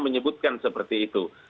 menyebutkan seperti itu